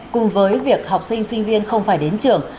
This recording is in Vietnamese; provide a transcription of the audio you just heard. cùng với việc học sinh sinh viên không phải đến trường